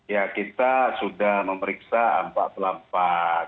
ya kita sudah memeriksa ampak ampak